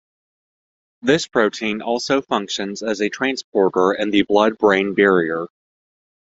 This protein also functions as a transporter in the blood-brain barrier.